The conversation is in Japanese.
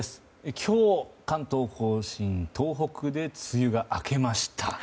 今日、関東・甲信と東北で梅雨が明けました。